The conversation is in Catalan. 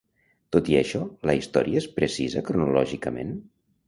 Tot i això, la història és precisa cronològicament?